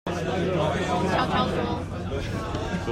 悄悄說